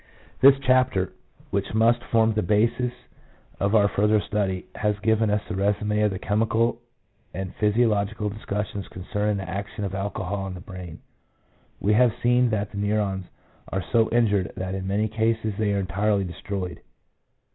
This chapter, which must form the basis of our further study, has given us a resume of the chemical and physiological discussions concerning the action of alcohol on the brain. We have seen that the neurons are so injured that in many cases they are entirely destroyed.